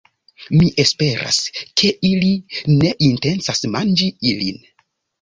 Mi esperas, ke ili ne intencas manĝi ilin